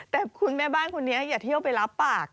แต่คุณแม่บ้านคนนี้อย่าเที่ยวไปรับปาก